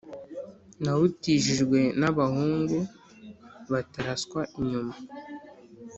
Nawutijijwe n’abahungu bataraswa inyuma,